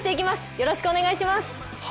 よろしくお願いします。